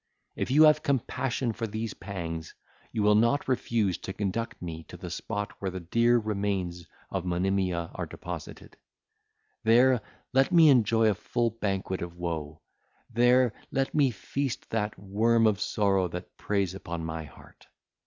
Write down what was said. If you have compassion for these pangs, you will not refuse to conduct me to the spot where the dear remains of Monimia are deposited; there let me enjoy a full banquet of woe; there let me feast that worm of sorrow that preys upon my heart.